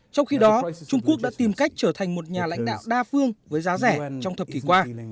trong khi đó trung quốc đã tìm cách trở thành một nhà lãnh đạo đa phương với giá rẻ trong thập kỷ qua